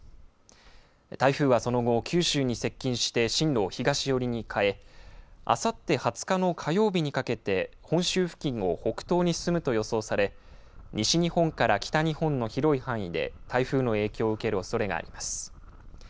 台風はその後、九州に接近して進路を東寄りに変えあさって２０日の火曜日にかけて本州付近を北東に進むと予想され西日本から北日本の広い範囲で台風の影響を受けるおそれがあります。